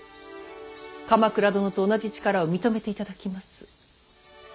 鎌倉殿と同じ力を認めていただきます。